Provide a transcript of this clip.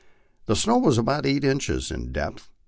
The snow was eight inches in depth.